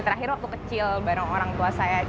terakhir waktu kecil bareng orang tua saya